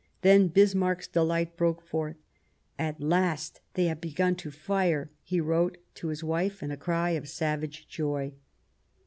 Then Bismarck's delight broke forth. " At last they have begun to fire !" he wrote to his wife in a cry of savage joy.